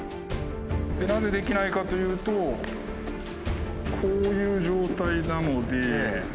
なぜできないかというとこういう状態なので。